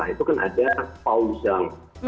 itu kan ada pauzang